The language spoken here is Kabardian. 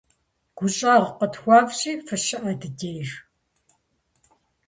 ГущӀэгъу къытхуэфщӀи, фыщыӀэ ди деж!